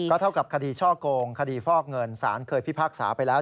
เท่ากับคดีช่อกงคดีฟอกเงินสารเคยพิพากษาไปแล้ว